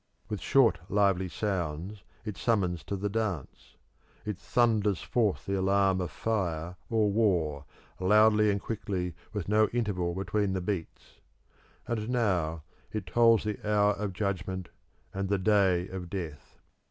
With short, lively sounds it summons to the dance; it thunders forth the alarm of fire or war, loudly and quickly with no interval between the beats; and now it tolls the hour of judgment and the day of death.